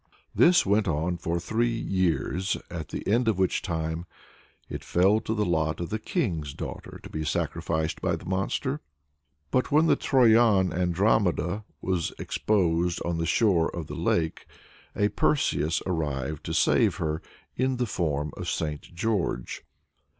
This went on for three years, at the end of which time it fell to the lot of the king's daughter to be sacrificed by the monster. But when the Troyan Andromeda was exposed on the shore of the lake, a Perseus arrived to save her in the form of St. George.